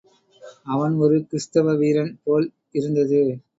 அவன் ஒரு கிறிஸ்தவ வீரன் போல் இருந்தது.